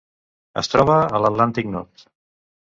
Es troba a l'Atlàntic nord: